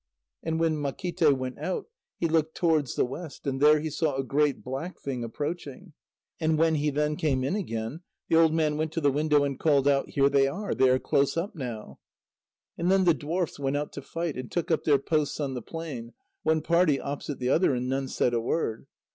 And when Makíte went out, he looked towards the west, and there he saw a great black thing approaching, and when he then came in again, the old man went to the window and called out: "Here they are; they are close up now." And then the dwarfs went out to fight, and took up their posts on the plain, one party opposite the other, and none said a word.